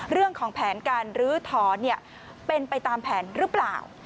เรื่องของแผนการลื้อถอนเป็นไปตามแผนหรือเปล่า